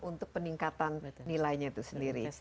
untuk peningkatan nilainya itu sendiri